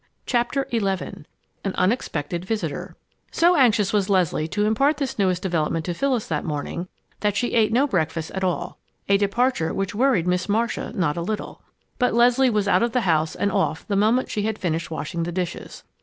CHAPTER XI AN UNEXPECTED VISITOR So anxious was Leslie to impart this newest development to Phyllis that morning, that she ate no breakfast at all, a departure which worried Miss Marcia not a little. But Leslie was out of the house and off the moment she had finished washing the dishes.